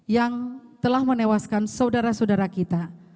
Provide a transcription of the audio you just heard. yang telah menewaskan saudara saudara kita